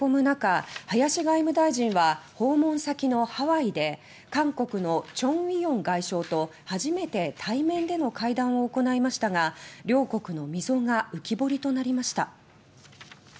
中林外務大臣は、訪問先のハワイで韓国のチョン・ウィヨン外相と初めて対面での会談を行いましたが両国の溝が浮き彫りとなりました。